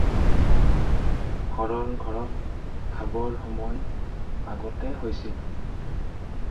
হৰৰ ঘৰত খাবৰ সময় আগতে হৈছিল।